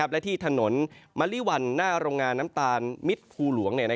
และที่ถนนมะลิวันหน้าโรงงานน้ำตาลมิตรภูหลวง